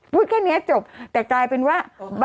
พูดแค่นี้จบแต่กลายเป็นว่า